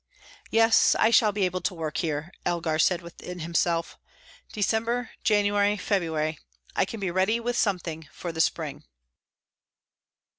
"Yes, I shall be able to work here," said Elgar within himself. "December, January, February; I can be ready with something for the spring."